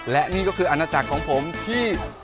และนี่ก็คืออาณาจักรของผมที่